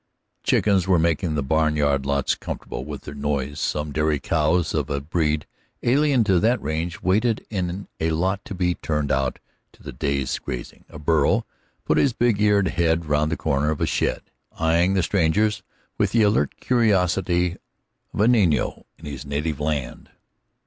Chickens were making the barnyard lots comfortable with their noise, some dairy cows of a breed alien to that range waited in a lot to be turned out to the day's grazing; a burro put its big eared head round the corner of a shed, eying the strangers with the alert curiosity of a niño of his native land.